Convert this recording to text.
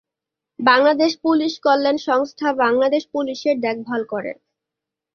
Bangladesh police কল্যাণ সংস্থা বাংলাদেশ পুলিশের দেখভাল করে।